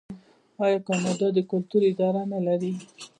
آیا کاناډا د کلتور اداره نلري؟